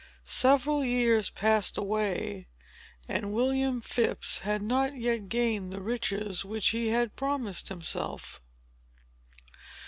Several years passed away; and William Phips had not yet gained the riches which he promised to himself.